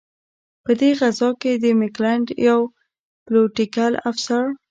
په دې غزا کې د ملکنډ یو پلوټیکل افسر.